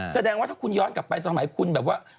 แสดงว่าถ้าคุณย้อนกลับไปสมัยคุณแบบว่า